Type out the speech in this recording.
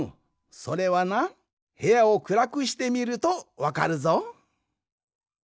それはなへやをくらくしてみるとわかるぞ。